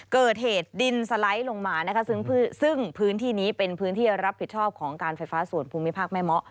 เกิดเหตุดินสไลด์ลงมานะคะซึ่งพื้นที่นี้เป็นพื้นที่รับผิดชอบของการไฟฟ้าส่วนภูมิภาคแม่เมาะ